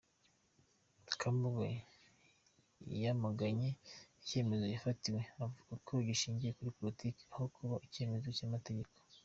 Konboigo yamaganye icyemezo yafatiwe, avuga ko gishingiye kuri politiki aho kuba icyemezo cy’amategeko.